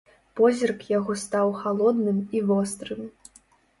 Позірк яго стаў халодным і вострым.